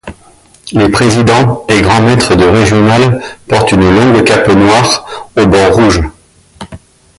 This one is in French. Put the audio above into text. Les présidents et grand-maîtres de régionales portent une longue cape noire à bords rouges.